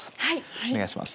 お願いします。